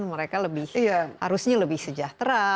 mereka harusnya lebih sejahtera